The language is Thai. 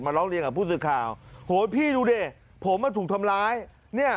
ร้องเรียนกับผู้สื่อข่าวโหพี่ดูดิผมมาถูกทำร้ายเนี่ย